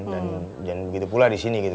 dan begitu pula di sini gitu